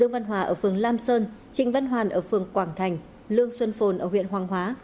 văn hòa ở phương lam sơn trịnh văn hoàn ở phương quảng thành lương xuân phồn ở huyện hoàng hóa